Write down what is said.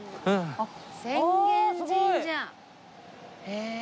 へえ。